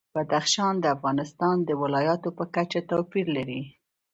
بدخشان د افغانستان د ولایاتو په کچه توپیر لري.